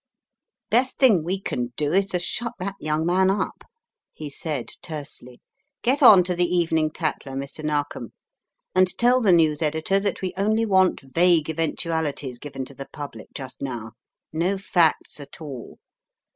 "Best thing we can do is to shut that young man up," he said, tersely. "Get on to the Evening Toiler, Mr. Narkom, and tell the news editor that we only want vague eventualities given to the public just now — no facts at all.